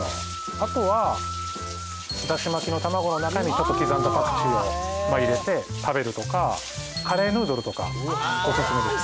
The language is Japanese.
あとはだし巻きの卵の中にちょっと刻んだパクチーを入れて食べるとかカレーヌードルとかオススメです。